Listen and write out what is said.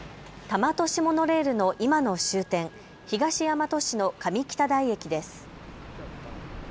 多摩都市モノレールの今の終点、東大和市の上北台駅です。